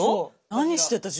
何してた？